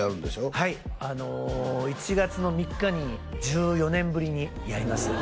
はい１月の３日に１４年ぶりにやります